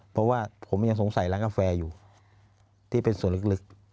เพราะว่าผมยังสงสัยร้านกาแฟอยู่ที่เป็นส่วนลึก